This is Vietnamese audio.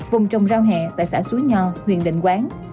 vùng trồng rau hẹ tại xã xuối nhò huyện định quán